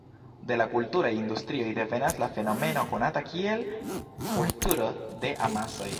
De la kulturaj industrioj devenas la fenomeno konata kiel "kulturo de amasoj".